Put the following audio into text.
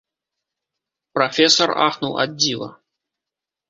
Прафесар ахнуў ад дзіва.